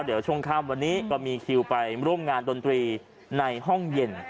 เดี๋ยวช่วงข้ามวันนี้ก็มีคิวไปร่วมงานดนตรีในห้องเย็น